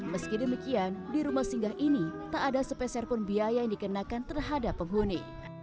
meski demikian di rumah singgah ini tak ada sepeserpun biaya yang dikenakan terhadap penghuni